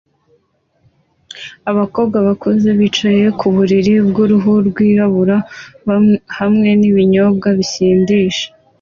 abakobwa bakuze bicaye ku buriri bw'uruhu rwirabura hamwe n'ibinyobwa bisindisha